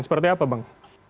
seperti apa bang